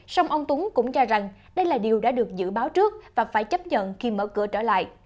sông ông tuấn cũng cho rằng đây là điều đã được dự báo trước và phải chấp nhận khi mở cửa trở lại